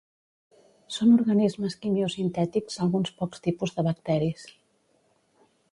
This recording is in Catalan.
Són organismes quimiosintètics alguns pocs tipus de bacteris.